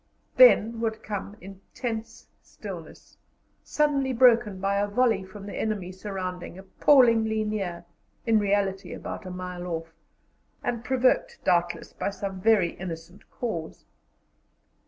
Then would come intense stillness, suddenly broken by a volley from the enemy sounding appallingly near in reality about a mile off and provoked, doubtless, by some very innocent cause.